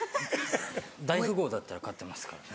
大富豪だったら勝ってますからね。